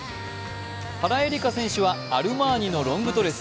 原英莉花選手はアルマーニのロングドレス。